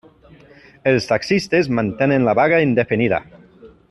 Els taxistes mantenen la vaga indefinida.